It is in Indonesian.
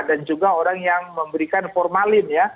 juga orang yang memberikan formalin ya